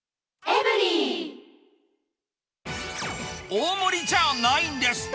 大盛りじゃないんです。